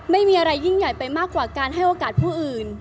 ไม่มีอะไรยิ่งใหญ่ไปมากกว่าการให้โอกาสผู้อื่น